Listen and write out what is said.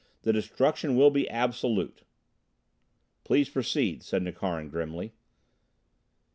The destruction will be absolute." "Please proceed," said Nukharin grimly.